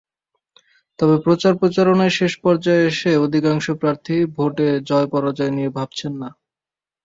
তবে প্রচার-প্রচারণায় শেষ পর্যায়ে এসে অধিকাংশ প্রার্থীই ভোটে জয়-পরাজয় নিয়ে ভাবছেন না।